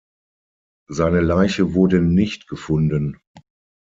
Seine Leiche wurde nicht gefunden.